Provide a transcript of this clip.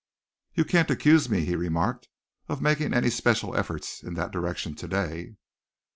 "You can't accuse me," he remarked, "of making any special efforts in that direction to day."